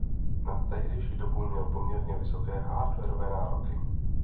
Na tehdejší dobu měl poměrně vysoké hardwarové nároky.